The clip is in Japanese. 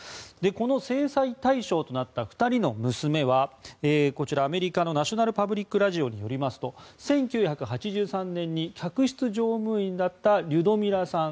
この制裁対象となった２人の娘はこちら、アメリカのナショナル・パブリック・ラジオによりますと１９８３年に客室乗務員だったリュドミラさん